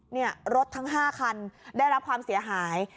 เนี่ยรถทั้ง๕คันได้รับความเสียหาย